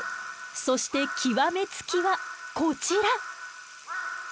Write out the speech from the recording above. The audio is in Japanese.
そして極め付きはこちら！